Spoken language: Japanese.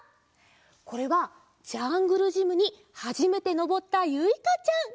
これはジャングルジムにはじめてのぼったゆいかちゃん。